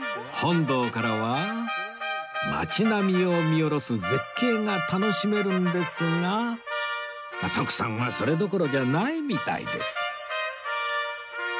本堂からは街並みを見下ろす絶景が楽しめるんですが徳さんはそれどころじゃないみたいです